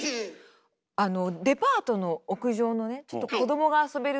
あのデパートの屋上のねちょっと子供が遊べる